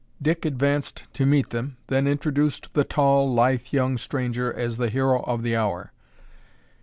Dick advanced to meet them, then introduced the tall, lithe young stranger as the "hero of the hour."